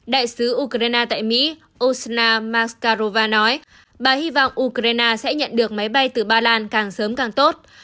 đại sứ ukraine tại mỹ osna maskarova nói bà hy vọng ukraine sẽ nhận được máy bay từ ba lan càng sớm càng tốt